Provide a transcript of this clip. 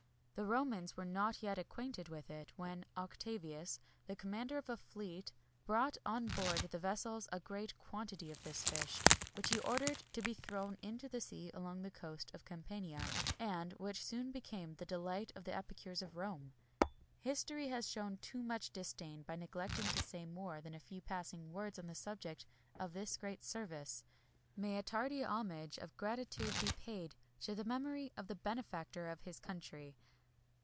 The Romans were not yet acquainted with it, when Octavius, the commander of a fleet, brought on board the vessels a great quantity of this fish, which he ordered to be thrown into the sea along the coast of Campania, and which soon became the delight of the epicures of Rome.[XXI 89] History has shown too much disdain by neglecting to say more than a few passing words on the subject of this great service. May a tardy homage of gratitude be paid to the memory of the benefactor of his country.